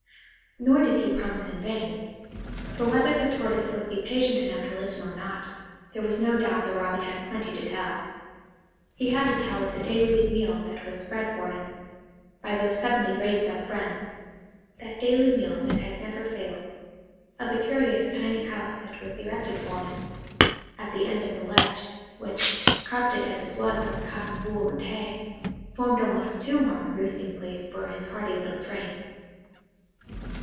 Nor did he promise in vain; for whether the Tortoise would be patient enough to listen or not, there was no doubt the Robin had plenty to tell. He had to tell of the daily meal that was spread for him, by those suddenly raised up friends–that daily meal that had never failed; of the curious tiny house that was erected for him at the end of the ledge, which, carpeted as it was with cotton wool and hay, formed almost too warm a roosting place for his hardy little frame.